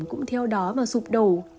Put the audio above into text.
cũng theo đó và sụp đổ